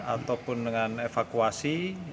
ataupun dengan evakuasi